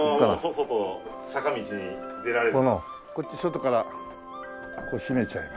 こっち外からこれ閉めちゃえば。